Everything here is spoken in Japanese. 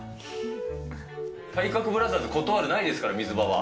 体格ブラザーズ、断るないですから、水場は。